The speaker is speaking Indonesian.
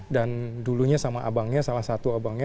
dulunya sama abangnya salah satu abangnya